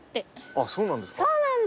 あっそうなんですか？